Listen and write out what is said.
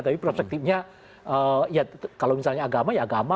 tapi perspektifnya ya kalau misalnya agama ya agama